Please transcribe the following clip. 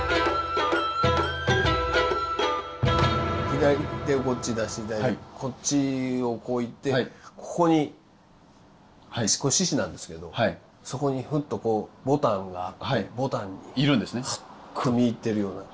左手をこっち出していただいてこっちをこういってここにこれ獅子なんですけどそこにふっとこうボタンがあってボタンにハッと見入ってるような。